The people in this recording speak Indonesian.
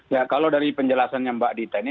ya kalau dari penjelasannya mbak dita ini